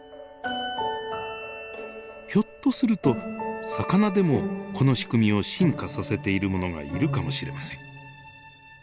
ひょっとすると魚でもこの仕組みを進化させているものがいるかもしれません。